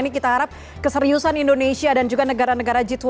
ini kita harap keseriusan indonesia dan juga negara negara g dua puluh